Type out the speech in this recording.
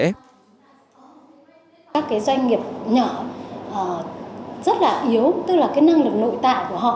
các doanh nghiệp nhỏ rất yếu tức là năng lực nội tại của họ